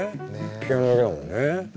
ピアノだけだもんね。